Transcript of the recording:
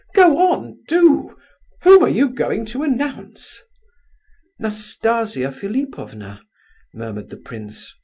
"Go on, do! Whom are you going to announce?" "Nastasia Philipovna," murmured the prince.